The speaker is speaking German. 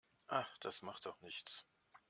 Ach, das macht doch nichts.